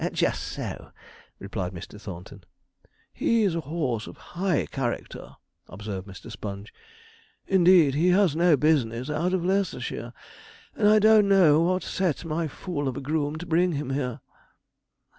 'Just so,' replied Mr. Thornton. 'He's a horse of high character,' observed Mr. Sponge. 'Indeed he has no business out of Leicestershire; and I don't know what set my fool of a groom to bring him here.'